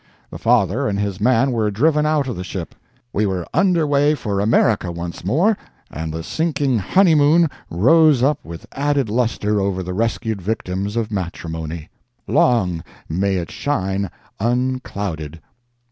The father and his man were driven out of the ship; we were under way for America once more, and the sinking honeymoon rose up with added lustre over the rescued victims of matrimony. Long may it shine unclouded!